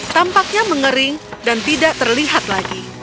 tampaknya mengering dan tidak terlihat lagi